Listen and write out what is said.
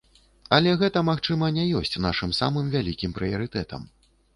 Але гэта, магчыма, не ёсць нашым самым вялікім прыярытэтам.